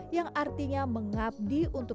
yang artinya mengabdi untuk